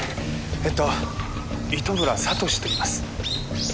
えっと糸村聡と言います。